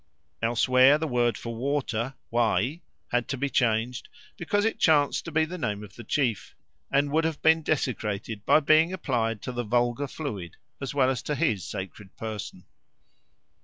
Elsewhere the word for water (wai) had to be changed, because it chanced to be the name of the chief, and would have been desecrated by being applied to the vulgar fluid as well as to his sacred person.